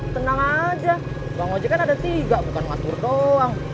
tenang aja bang ojek kan ada tiga bukan ngatur doang